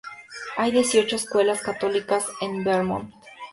Hay dieciocho escuelas católicas en Vermont.